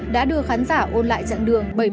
đã đưa khán giả ôn lại chặng đường